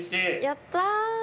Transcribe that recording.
やったー。